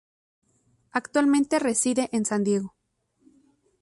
Actualmente reside en San Diego.